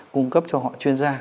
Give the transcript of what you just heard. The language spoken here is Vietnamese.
cung cấp cho họ chuyên gia